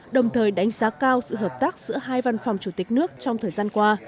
đồng thời đánh giá cao sự hợp tác giữa hai văn phòng chủ tịch nước trong thời gian qua